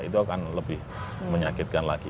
itu akan lebih menyakitkan lagi